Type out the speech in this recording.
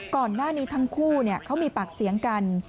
ก่อนหน้านี้ทั้งคู่เขามีปากเสียงกัน